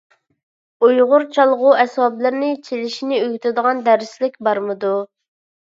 ئۇيغۇر چالغۇ ئەسۋابلىرىنى چېلىشنى ئۆگىتىدىغان دەرسلىك بارمىدۇ؟